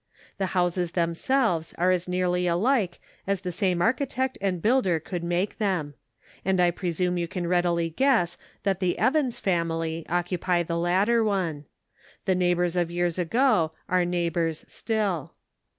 The houses themselves are as nearly alike as the same architect and builder could make them ; and I presume you can readily guess that the Evans Family oc cupy the latter one. The neighbors of years ago are neighbors still.